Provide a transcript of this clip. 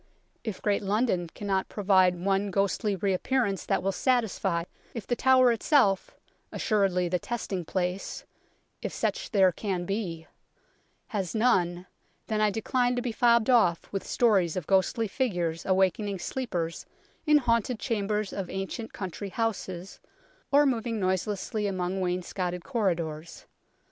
If great London GHOSTS IN THE TOWER OF LONDON 67 cannot provide one ghostly reappearance that will satisfy, if The Tower itself assuredly the testing place, if such there can be has none, then I decline to be fobbed off with stories of ghostly figures awakening sleepers in haunted chambers of ancient country houses, or moving noiselessly along wainscotted corridors.